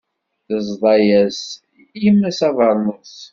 Teẓḍa-yas yemma-s abernus.